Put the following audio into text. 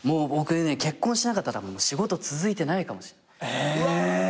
僕ね結婚してなかったら仕事続いてないかもしんない。